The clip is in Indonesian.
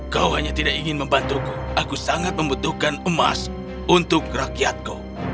kau hanya tidak ingin membantuku aku sangat membutuhkan emas untuk rakyatku